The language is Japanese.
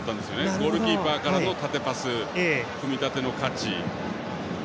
ゴールキーパーからの縦パス組み立ての価値。